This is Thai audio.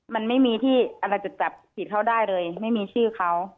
มันไม่มีที่อะไรจะจับผิดเขาได้เลยไม่มีชื่อเขา